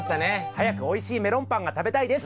早くおいしいメロンパンが食べたいです。